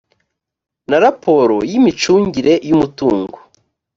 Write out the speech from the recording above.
na raporo y imicungire y umutungo